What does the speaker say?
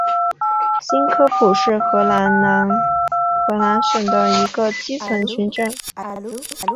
新科普是荷兰南荷兰省的一个基层政权。